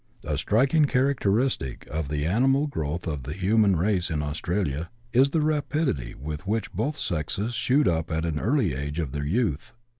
A striking characteristic of the animal growth of the human race in Australia is the rapidity with which both sexes shoot up at an early stage of their youth.